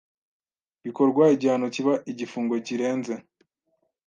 bikorwa igihano kiba igifungo kirenze